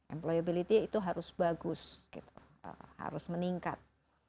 employability itu harus bagus harus meningkat